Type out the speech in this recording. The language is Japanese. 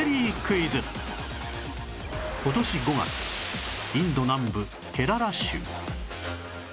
今年５月インド南部ケララ州